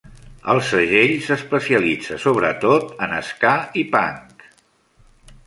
El segell s'especialitza sobre tot en ska i punk.